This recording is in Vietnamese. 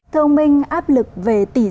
thông minh áp lực về tỉ doanh